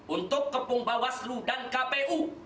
untuk kepung bawah selu dan kpu